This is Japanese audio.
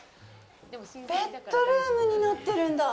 ベッドルームになってるんだ。